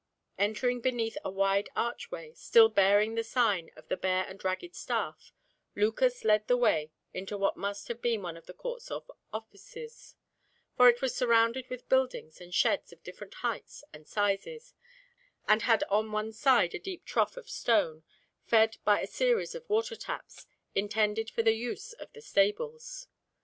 Entering beneath a wide archway, still bearing the sign of the Bear and Ragged Staff, Lucas led the way into what must have been one of the courts of offices, for it was surrounded with buildings and sheds of different heights and sizes, and had on one side a deep trough of stone, fed by a series of water taps, intended for the use of the stables.